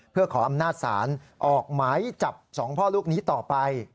เพื่อขออำนาจศาลออกหมายจับ๒พ่อลูกนี้ต่อไป